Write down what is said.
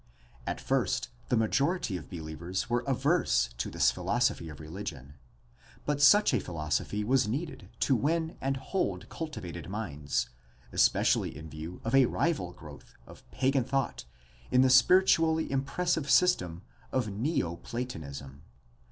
At first the majority of believers were averse to this philosophy of religion,^ but such a philosophy was needed to win and hold cultivated minds, especially in view of a rival growth of pagan thought in the spiritually impressive system of neo Platonism.